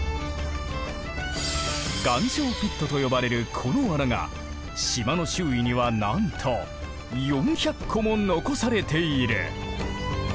岩礁ピットと呼ばれるこの穴が島の周囲にはなんと４００個も残されている。